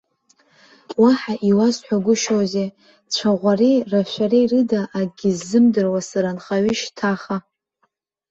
Уаҳа иуасҳәагәышьозеи, цәаӷәареи рашәареи рыда акгьы ззымдыруа сара анхаҩы шьҭаха.